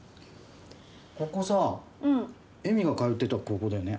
ここさ、絵美が通ってた高校だよね。